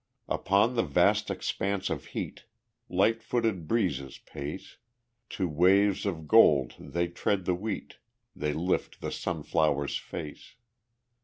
Upon the vast expanse of heat Light footed breezes pace; To waves of gold they tread the wheat, They lift the sunflower's face.